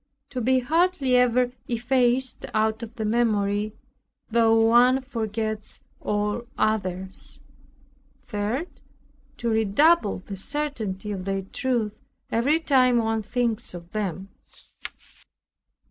2. To be hardly ever effaced out of the memory, though one forgets all others. 3. To redouble the certainty of their truth every time one thinks of them.